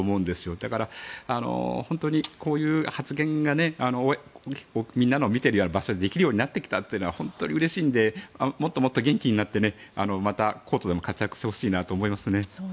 だから、本当にこういう発言がみんなが見ている場所でできるようになってきたのは本当にうれしいのでもっともっと元気になってまたコートでも活躍してほしいなと思いますね。